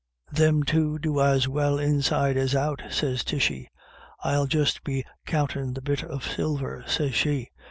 "'Thim two'U do as well inside as out,' sez Tishy. ' I'll just be countin' the bit of silver,' sez she.